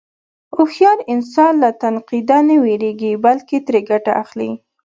هوښیار انسان له تنقیده نه وېرېږي، بلکې ترې ګټه اخلي.